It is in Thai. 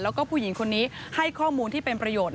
แล้วก็ผู้หญิงคนนี้ให้ข้อมูลที่เป็นประโยชน